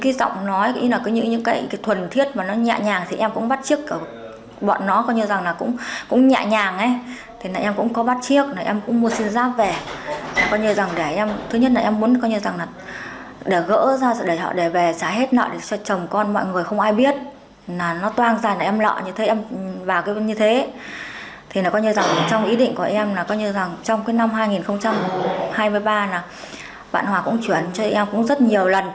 trong năm hai nghìn hai mươi ba bạn hòa cũng chuyển cho em rất nhiều lần tiền